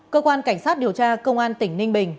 cơ quan cảnh sát điều tra công an tỉnh ninh bình